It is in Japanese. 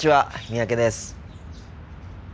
三宅です。